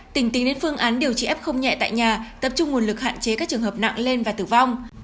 tỉnh tính đến phương án điều trị f nhẹ tại nhà tập trung nguồn lực hạn chế các trường hợp nặng lên và tử vong